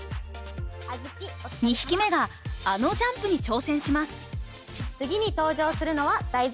２匹目があのジャンプに挑戦します。